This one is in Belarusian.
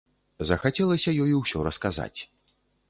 Захацелася ёй усё расказаць.